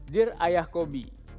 dear ayah kobi